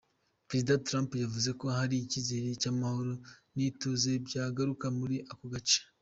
Perezida Trump yavuze ko hari icyizere ko amahoro n’ ituze byagaruka muri ako gace.